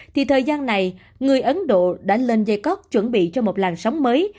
thì thời gian này người ấn độ đã lên dây cóc chuẩn bị cho một làn sóng mới